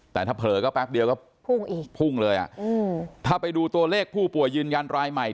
แต่ถ้าเผลอแป๊บเดียวก็พุ่งเลยถ้าไปดูตัวเลขผู้ป่วยยืนยันรายใหม่